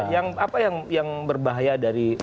yang apa yang berbahaya dari